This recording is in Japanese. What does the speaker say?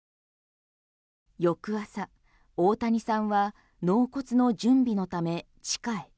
翌朝、大谷さんは納骨の準備のため地下へ。